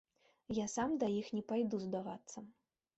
Я сам да іх не пайду здавацца.